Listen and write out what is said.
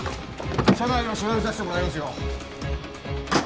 車内を調べさせてもらいますよ。